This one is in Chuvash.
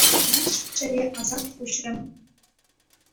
Мана ҫиччӗре асат хуҫрӗ.